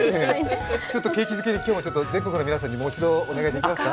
景気づけに全国の皆さんに、もう一度お願いできますか。